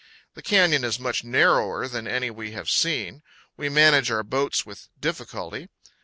The canyon is much narrower than any we have seen. We manage our boats with difficulty.